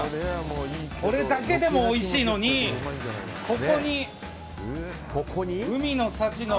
これだけでもおいしいのにここに、海の幸の。